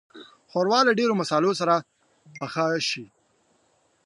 ښوروا له ډېرو مصالحو سره پخه شي.